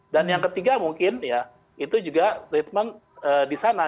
dan yang ketiga mungkin ya itu juga treatment di sana